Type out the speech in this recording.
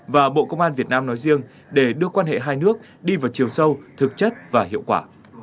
và bộ công an việt nam nói riêng để đưa quan hệ hai nước đi vào chiều sâu thực chất và hiệu quả